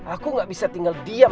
aku gak bisa tinggal diam